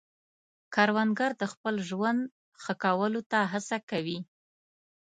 کروندګر د خپل ژوند ښه کولو ته هڅه کوي